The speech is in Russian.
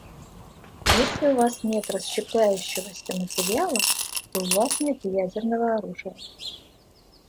Если у вас нет расщепляющегося материала, у вас нет и ядерного оружия.